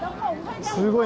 すごい。